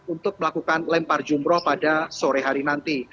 untuk melakukan lempar jumroh pada sore hari nanti